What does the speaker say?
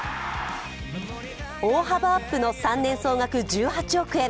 大幅アップの３年総額１８億円。